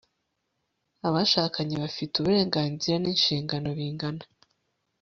abashakanye bafite uburenganzira n'inshingano bingana